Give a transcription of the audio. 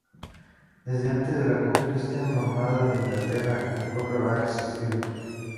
Desde antes de la Conquista normanda de Inglaterra, el pueblo ha existido.